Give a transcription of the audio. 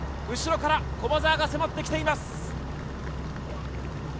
後ろから駒澤が迫ってきています。